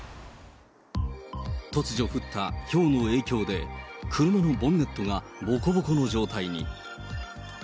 突如降ったひょうの影響で、車のボンネットがぼこぼこの状態に。